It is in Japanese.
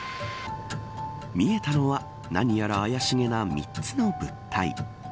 見えたのは何やら怪しげな３つの物体。